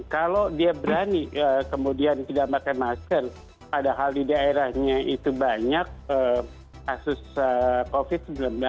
kalau dia berani kemudian tidak pakai masker padahal di daerahnya itu banyak kasus covid sembilan belas